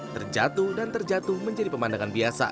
terjatuh dan terjatuh menjadi pemandangan biasa